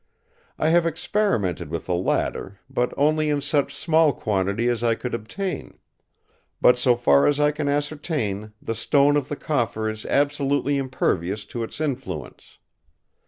I have experimented with the latter, but only in such small quantity as I could obtain; but so far as I can ascertain the stone of the Coffer is absolutely impervious to its influence.